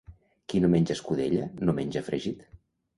Qui no menja escudella no menja fregit.